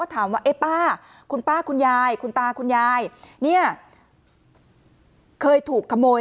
ถามว่าเอ๊ะป้าคุณป้าคุณยายคุณตาคุณยายเนี่ยเคยถูกขโมย